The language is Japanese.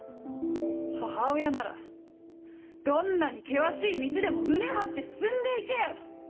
母親ならどんなに険しい道でも胸張って進んで行けよ！